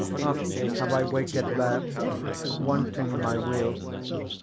Oft have I waited there, wanting my weal.